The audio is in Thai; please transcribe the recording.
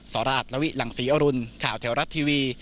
สราชลวิหลังศรีอรุณข่าวแถวรัฐทีวี